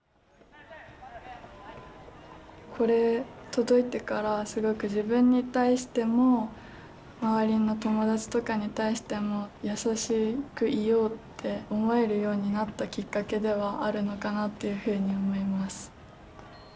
これ届いてからすごく自分に対しても周りの友達とかに対しても優しくいようって思えるようになったきっかけではあるのかなっていうふうに思います。